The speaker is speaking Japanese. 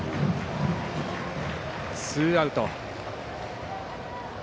ツーアウト。